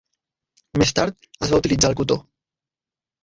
Més tard, es va utilitzar el cotó.